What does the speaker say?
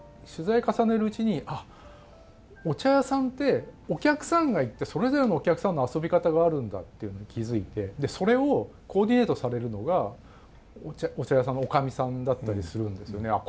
取材重ねるうちに「あっお茶屋さんてお客さんが行ってそれぞれのお客さんの遊び方があるんだ」っていうのに気付いてそれをコーディネートされるのがお茶屋さんの女将さんだったりするんですよね。